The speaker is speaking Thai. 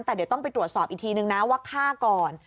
แต่เดี๋ยวต้องไปตรวจสอบอีกทีนึงนะว่าฆ่าก่อน